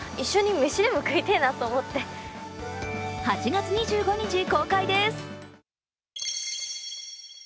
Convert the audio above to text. ８月２５日公開です。